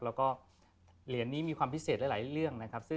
แล้วก็เหรียญนี้มีความพิเศษหลายเรื่องนะครับ